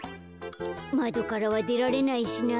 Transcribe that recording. まどからはでられないしな。